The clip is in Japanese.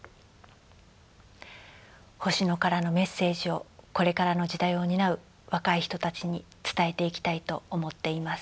星野からのメッセージをこれからの時代を担う若い人たちに伝えていきたいと思っています。